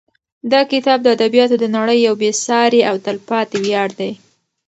دا کتاب د ادبیاتو د نړۍ یو بې سارې او تلپاتې ویاړ دی.